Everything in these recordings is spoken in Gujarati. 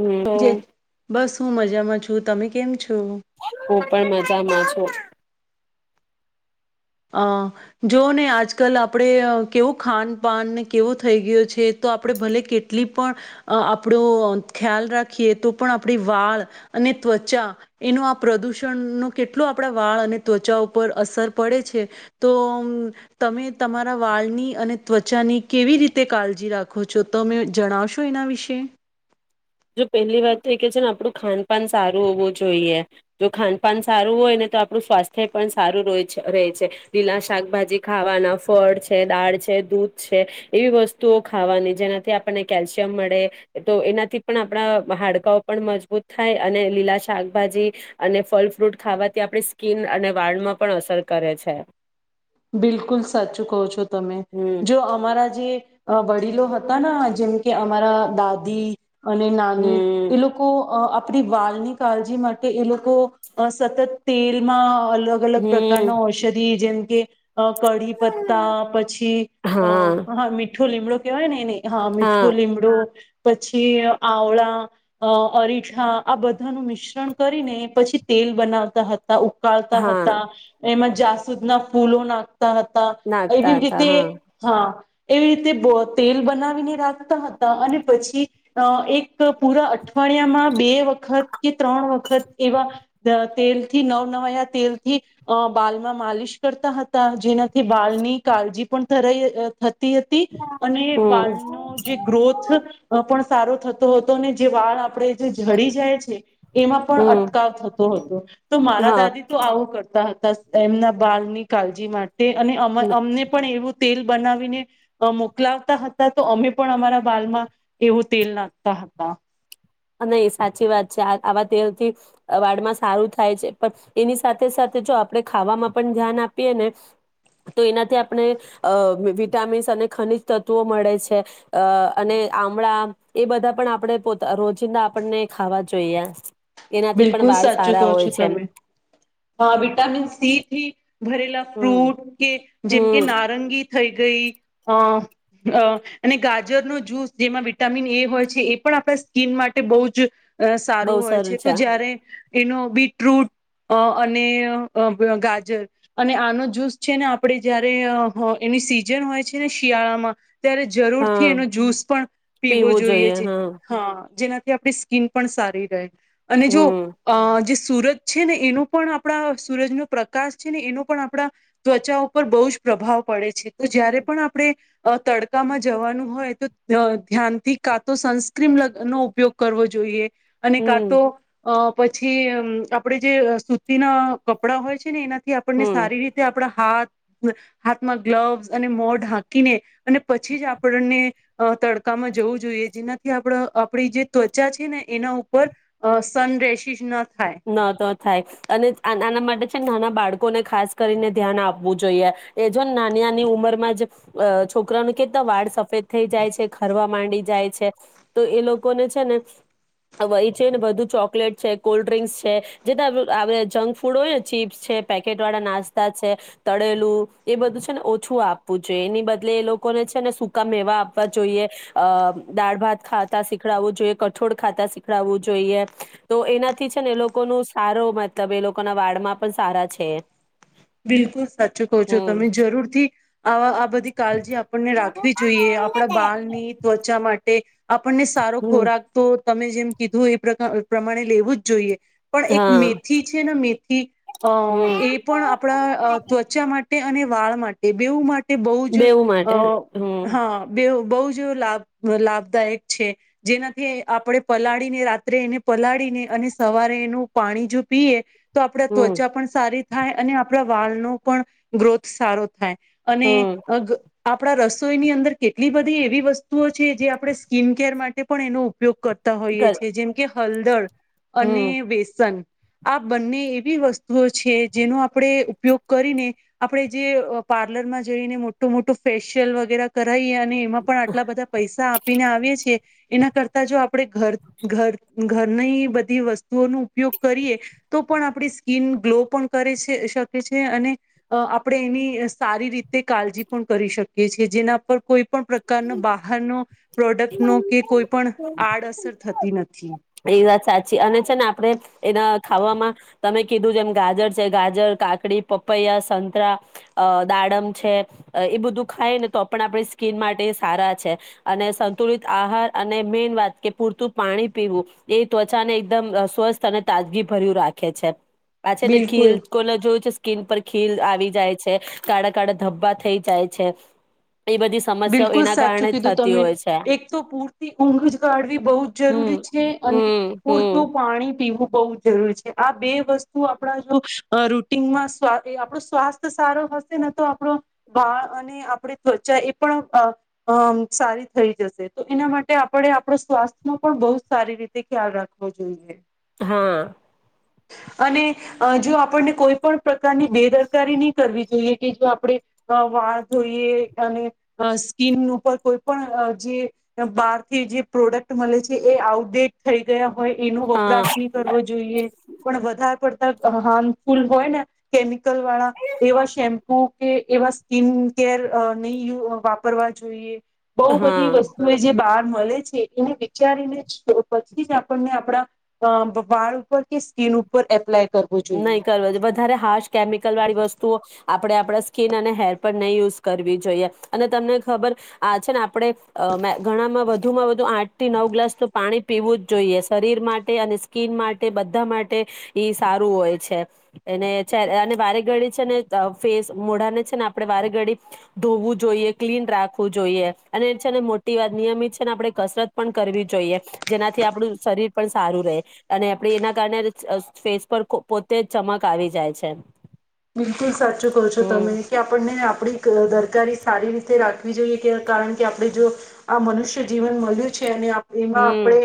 હમ તો જે બસ હું મજામાં છુ. તુ તમે કેમ છો? હું પણ મજામાં છું. અ જુવો ને આજકાલ આપણે અ કેવું ખાન પાનને કેવો થઈ ગયો છે, તો આપણે ભલે કેટલી પણ અ આપણો ખ્યાલ રાખીએ તો પણ આપણી વાળ અને ત્વચા એનું આ પ્રદૂષણનો કેટલો આપણા વાળ અને ત્વચા ઉપર અસર પડે છ છે, તો અં તમે તમારા વાળની અને ત્વચાની કેવી રીતે કાળજી રાખો છો? તમે જણાવશો એના વિશે? જો પેલ્લી વાત તો એ કે છે ને આપણું ખાનપાન સારું હોવું જોઈએ, જો ખાનપાન સારું હોય ને તો આપણું સ્વાસ્થ્ય પણ સારું રોય છે રે છે, લીલા શાકભાજી ખાવાના, ફળ છે, દાળ છે, દૂધ છે એવી વસ્તુઓ ખાવાની જેનાથી આપણને કેલ્શિયમ મળે, તો એનાથી પણ આપણા હાડકાઓ પણ મજબૂત થાય અને લીલા શાકભાજી અને ફલ ફ્રૂટ ખાવાથી આપણી સ્કીન અને વાળમાં પણ અસર કરે છે. બિલકુલ સાચું કહો છો તમે, હમ જો અમારા જે અ વડીલો હ તા ના જેમ કે અમારા દાદી અને નાની હમ એ લોકો અ આ પલી વાલની કાલજી માટે એ લોકો સતત તેલમાં અ અલગ અલગ પ્રકાર હમ ના ઔષધિ જેમ કે અ કઢી પત્તા પછી અ હા મી ઠો લીમો કેવાયને એને હા મીઠો લીમડું પછી આવડા અ અરીઠા આ બધાનું મિશ્રણ કરીને પછી તેલ બનાવતા હત તા ઉકાળતા હા હતા, [unintelligible] જાસૂદના ફૂલોના તા હતા એવી નાખતા હતા હા રીતે હા એવી રીતે બોતેલ બનાવીને રાખતા હતા અને પછી એક ત પુરા અઠવાડિયામાં બે વખત કે ત્રણ વખત એવા તેલથી નવ નવાયા તેલ થી અ બાલમાં માલિશ કરતા હતા. જેનાથી બાળની કાળજી પણ [unintelligible] હતી હતી અને હમ વાળનો જે ગ્રોથ પણ સારો થતો હતો ને જે વાળ આપણે જે જડી જાય છે, એમાં પણ હમ અટકાવ થતો હતો તો મારા હા દાદી તો આવું કરતા હતા. દશત એમના બાળની કાળજી માટે તે અને અમ અમને પણ એવું તેલ બનાવીને અ મોકલાવતા હતા તો અમે પણ અમારા બાલમાં એવું તેલ નાખતા હતા. અને સાચી વાત છે, આ આવા તેલથી વાળમાં સારું થાય છે, પણ એની સાથે સાથે જો આપણે ખાવામાં પણ ધ્યાન આપીએ ને તો એનાથી આપણે વિટામિન્સ અને ખનીજ તત્વો મળે છે, અ અને આમળા એ બધા પણ આપણે પોતા રોજ [unintelligible] આપણને ખાવા જોઈએ. એનાથી પણ બિલકુલ વાળ સાચું સારા કહો હોય છો, છે તમે હા વિટામિન સી થી ભરે પેલા હમ ફ્રૂટ કે જેમ કે હમ નારંગી થઈ ગઈ અ અને ગાજરનો જ્યૂસ જેમાં વિટામિન એ હોય છે, એ પણ આપણા સ્કીન માટે બહુ જ અ સારું હોય છે. તો જયારે એનો બીટરૂટ અ અને અ ગાજર અને આનો જૂસ છે, ને આપણે જયારે હ એની સીઝન હોય છે, ને શિયાળામાં ત્યારે જરૂર થી હા એનો જ્યુસ પણ પીવો પીવું જોઈએ હા હા જેના આપણી સ્ક્રીન પણ સારી રહે. અને જો હમ અ સુરજ છે ને એનો પણ આપડા સૂરજનો પ્રકાશ છે, ને એનો પણ આપણા ત્વચા ઉપર બહુ જ પ્રભાવ પડે છે તો જયારે પણ આપણે તડકામાં જવાનું હોય તો ધ્યાનથી કાતો સન સ્ક્રીનનો ઉપયોગ કરવો જોઈએ. અને હમ કા તો અ પછી અમ્મ આપડે જે સુતીના કપડા હોય છે ને એના થી આપણને હમ સારી રીતે આપણા હાથ હાથમાં ગ્લવસ અને મો ઢાંકીને અને પછી જ આપણને તડકામાં જવું જોઈએ જેનાથી આપ આપણી જે ત્વચા છે ને એના ઉપર સનરેસીસન ન તો થાય અને આના માટે પછી છેને નાના બાળકોને ખાસ કરીને ધ્યાન આપવું જોઈએ એ જો ને નાની નાની ઉંમર માં જ અ છોકરા ન કેતા વાળ સફેદ થઈ જાય છે, ખરવા માંડી જાય છે, તો એ લોકોને છે ને એ છે ને [unintelligible] બધુ ચોકલેટ છે કોલ- ડ્રિંક છે જે જંક ફૂડ હોય ને ચીપ્સ છે પેકેટ વાળા નાસ્તા છે તળેલું એ બધું છે ને ઓછું આપવું જોઈએ એની બદલે એ લોકોને છે ને સૂકા મેવા આપવા જોઈએ. અ દાળ ભાત ખાતા શીખડવું જોઈએ. કઠોળ ખાતા શીખડવું જોઈએ તો એનાથી થી છે ને એ લોકોનું સારો મતલબ એ લોકોના વાડમાં પણ સારા છે. બિલકુલ સાચું કહો છો હમ તમે જરૂર થી આ આ બધી કાળજી આપણને રાખવી જોઈએ આપણા બાળની ત્વચા માટે. આપણને સારો હમ ખોરાક તો તમે જેમ કીધું એ પ્રમાણે લેવું જ જોઈએ. પણ એક હા મેથી છે ને મેથી, અ હમ એ પણ આપ ત્વચા માટે અને. વાળ માટે બેવ માટે તે બહુ જ, બેવું અ માટે હમ હા બે બહ જ લાભ લાભદાયક છે, જેનાથી આપણે પલાળીને રાત્રે એને પલાળીને અને સવારે એનું પાણી જો પીએ. તો આપણેે હમ ત્વચા પણ સારી હા અને આપણા વાળ નો પણ, ગ્રોથ સારો થાય. અને હમ આપણા રસોઈની અંદર કેટલી બધી એવી વસ્તુઓ છે જે આપણે સ્કીિન કેર માટે પણ એનો ઉપયોગ કરતા હોઈએ કર છીએ જેમ કે હલદળ. હમ અને બેસન. આ બંને એવી વસ્તુઓ છે જેનો આપણે ઉપયોગ કરીને, આપણે જે પાર્લર માં જઈને મોટું મોટું ફેશિયલ વગેરે રહી અને એમાં પણ આટલા બધા પૈસા આપીને આવીએ છેએ, એના કરતા જો આપડે ઘર ઘર. ઘરની બધી વસ્તુઓનો ઉપયોગ કરીએ તો પણ આપણી સ્કીન ગ્લો પણ કરે છે. શકે છે અને આપણે એની સારી રીતે કાળજી પણ કરી શકીએ છી જેના પર કોઈ. પણ પ્રકારનો બહારનો પ્રોડક્ટનો કે કોઈ પણ આડઅસર થતી નથી. એ વાત સાચી અને છે ને આપડે એના. ખાવામાં તમે કીધું જેમ ગાજર છે ગાજર કાકડી પપૈયા સંતરા અ દાડમ છે એ બધું ખાય ને તો પણ આપણી સ્કીિન માટે સારા છે અને સંતુલિત આહાર અને મેન વાત કે પૂરતું પાણી પીવું એ ત્વચાને એકદમ સ્વસ્થ અને તાજગી ભર્યું રાખે છે. પાછા ને બિલકુલ ખીલ કોને જોયું છે. સ્કીન પર ખીલ આવી જાય છે કાળા કાળા ધબ્બા થઈ જાય છે. એ બધી સમસ્યાઓ બિલકુલ એના સાચું કારણે જ કીધું થતી તમે હોય છે. એક તો પૂરતી ઊંઘ જ કાઢવી બહુ જ હમ જરૂરી છે અને હમ હમ પૂરતું પાણી. પીવું બહુ જરૂરી છે આ બે વસ્તુ આપ જો રુટીનમાં આપણો સ્વાસ્થ સારો હશેને તો આપણો વાળ અને આપ ત્વચા. પણ સારી થઈ જશે તો એના માટે આપણે આપણ સ્વાસ્થ્યનો પણ બહુ સારી રીતે ખ્યાલ રાખવો જોઈએ. હા. અને જો આપણને કોઈ પણ. જાતની બેદરકારી ની કરવી. જોઈએ કે જો આપડણે વાળ ધોઈએ અને સ્કીન ઉપર કોઈ પણ જે બહારથી જે પ્રોડક્ટ મળે છે એ આઉટડેટ થઈ ગયા હોય એનો હા વપરાશ ની કરવો જોઈએ પણ વધારે પડ હાર્મફુલ હોય ને કેમિકલ વાળા એવા શેમ્પુ કે એવા સ્કીિન કેર નહી ય વાપરવા જોઈએ. બહુ બધી હા વસ્તુ એ જે બાર મળે છે એને વિચારીને જ તો પછી જ આપણને આપણા અ વાળ ઉપર કે સ્કીન ઉપર એપ્લાય કરવું નહી જોઈએ. કરવા વધારે હર્ષ કેમિકલ વાળી વસ્તુ. વુ આપણે આપણા આપ સ્કીિન અને હેર પર નહી યુઝ કરવી જોઈએ અને તમને ખબર આ છે પડે અ મેં ઘણામાં વધ વધુમાં વધુ આઠ થી નવ ગ્લાસ તો પાણી પીવું જ જોઈએ શરીર માટે અને સ્કિન માટે બધા માટે ઈ. સારું હોય છે. એને છે અને વારે ઘડિત. છે ને ફેસ, મોઢા ને છે ને આપડણે વારે ગડીત ધોવું જોઈએ, ક્લીન રાખવું જોઈએ અને છે ને મોટી આ નિયમિત છે ને આપણે કસરત પણ કરવી જોઈએ, જેનાથી આપણું શરીર પણ સારું રહે અને આપણે એના કારણે ફેસ. પર [unintelligible] પોતે જ ચમક આવી જાય છે. બિલકુલ સાચું કહો છો તમે હમ કે આપણને આપડી ક દરકારી સારી રીતે રાખ [unintelligible] જોઈએ કે કારણ કે આપણે જો આ મનુષ્ય જીવન મલ્યુ છે અને આ એમાં હમ આપણે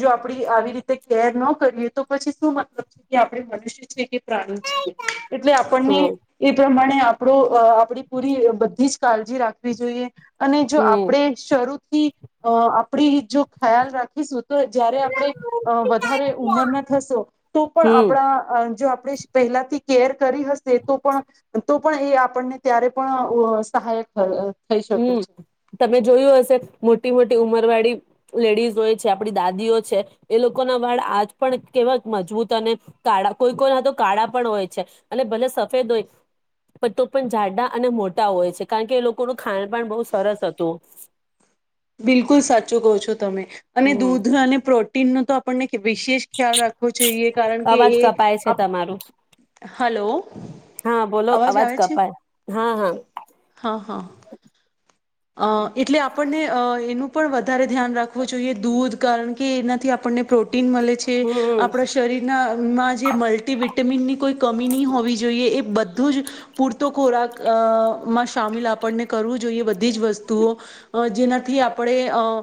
જો. આપડે આવી રીતે કેર ન કરીએ તો પછી શું મતલબ કે આપણે મનુષ્ય છીએ કે પ્રાણી છીએ. એલે આપણને હમ એ પ્રમાણે. ને આપડો. અહ આપડી પૂરી બધી જ. કાળજી રાખવી જોઈએ. અને જો હમ આપણેે જ શરૂ થી અ આપણી જો ખ્યાલ રાખીશું તો જયારે આપણે અહ વધારે ઉંમરના થશો તો પણ આપણા અહ જો. પડે જ પહેલાથી કેર. કરી હશે તો પણ તો પણ એ આપણને ત્યારે પણ અહ સહાયક અહ. હં, તમે જોયું હશે મોટી મોટ એ ઉમરવાળી લેડીઝ હોય છે, આપડી દાદીઓ છે એ લોકો ના વાળ આજ પણ કેવા મજબૂત અને કાળા કોઈ કોઈ ના તો કાળા પણ હોય છે અને ભલે સફેદ હોય પણ તો પણ જાડા અને મોટા હોય છે કારણ કે એ લોકોનું ખાણપાણ બહુ સરસ હતું. બિલકુલ સાચું કહો છો તમે અને હમ દૂધ અને પ્રો તીન ન તો આપણને. વિશેષ ખ્યાલ રાખવો જોઈએ, કારણ કે અવાજ એ કપાય છે તમારું [unintelligible] હલો હા બોલો અવાજ આવે છે કપાય હા હા હા હા. અ એટલે આપણને. અહ એનું પણ વધારે ધ્યાન રાખવું જોઈએ દૂધ કારણ કે એનાથી આપને પ્રો ટીન મળે છે. હમ આપણા શરીરના અંગમાં જે મલ્ટી તે મીની કોઈ કમી નહીં હોવી જોઈએ એ બધ બધુ જ પૂરતો ખોરાક અ માં સામેલ આપણને કરવું જોઈએ બધ બધી જ વસ્તુઓ અહ જેનાથી આપણે અહ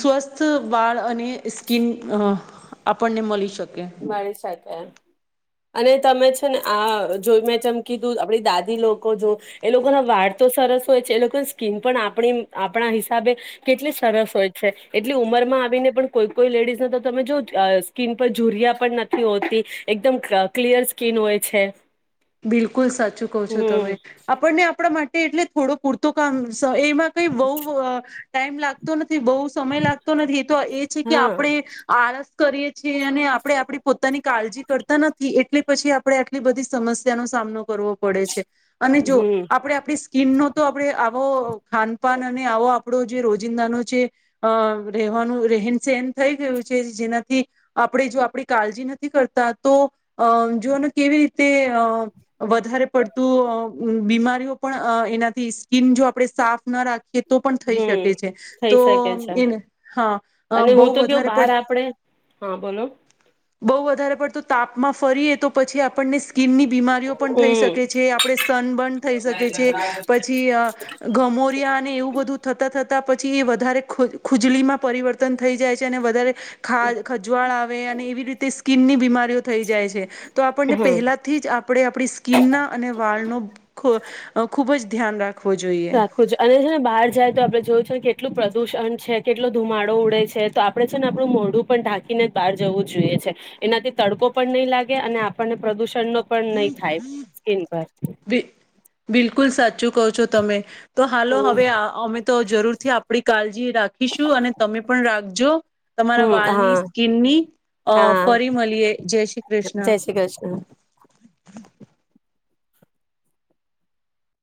સ્વસ્થ વાળ અને સ્કીન અ આપણને મળી શકે. મારી સાથે. અને તમે છે ને આ જો મેં ચમકીધું આપડી દાદી લોકો જો એ લોકોના વાળ તો સરસ હોય છે એ લોકોની સ્કીન પણ આપણી આપણા હિસાબે કેટલી સરસ હોય છે. એટલી ઉંમરમાં આવીને પણ કોઈ કોઈ લેડીઝને તો તમે જો સ્કીન પર ઝૂરિયા પણ નથી હોતી એકદમ ક્લ ક્લિયર સ્કીિન હોય છે. બિલકુલ સાચું કહો છો તમે હમ આપણને આપણા માટે એટલે થોડો પૂરતો કામ તો એમાં કઈ બહુ ટાઈમ લાગતો ન થી. બહુ સમય લાગતો નથી તો એ છે કે હા આપણે આળસ કરીએ છીએ અને આપણે આપણી પોતાની કાળજી કરતા નથી, એટલે પછી આપડણે આટલી બધી સમસ્યા તેનું સામનું કરવો પડે છે. અને જો હમ આપે આપ સ્કીિન તો આપ આવો ખાનપાન અને આવો આપણો જે રોજિંદાનો જે અ રહેવાનું રહેન સહન થઈ ગયું છે જેનાથી આપણે જો આપણી કાળજી નથી કરતા તો અ જોને કેવી રીતે. વધારે પડતું બીમારીઓ પણ એનાથી સ્કીિન જો આપણે સાફ ના રાખીએ. તો પણ થઈ હમ શકે છે થઈ તો શકે છે એ હા અને બહ હું તો કેવું વધારે બહાર પડ. આપડે હા બોલો બહુ વધારે પડતું તાપમાં ફરીએ તો પછી આપણને. સ્કીિનની બીમારીઓ પણ થઈ હમ શકે છે આપણે સનબર્ન થઈ શકે છે પછી ગમોરિયા અને એવું બધું થતાં થતા. પછી એ વધારે ખુજલીમાં પરિવર્તન થઈ જાય છે અને વધારે. ખા ખંજવાળ આવે અને એવી રીતે. એમ બીમારી. થઈ જાય છે તો આપણને હા પહેલા જ આપણે આપણી સ્કીિનના અને વાળનો ખબ ખુબ ખુબજ ધ્યાન રાખો. રાખવું છ અને છે ને બહાર જાય તો આપણે જોયું છે ને કે. કેટલું પ્રદુષણ છે કેટલો ધુમાડો ઉડે છે તો આપણે છે ને આપણું મોડું પણ ઢાંકીને બહાર જવું જોઈએ છે એનાથી તડકો પણ નહીં લાગે અને આપણને પ્રદુષણ પણ નહી થાય સ્કીન પર. બિ બિલકુલ સાચું. ચું કહ છો તમે તો હાલો હવે હમ અમે તો જરૂરથી આપણી કાળજી રાખીશું અને તમે પણ રાખજો તમારા હમ હા વાળની સ્કીિનની અ હા ફરી મળીએ. જય શ્રી કૃષ્ણ. જય શ્રી કૃષ્ણ [unintelligible]